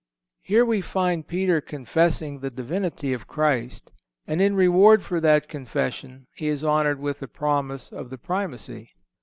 (156) Here we find Peter confessing the Divinity of Christ, and in reward for that confession he is honored with the promise of the Primacy.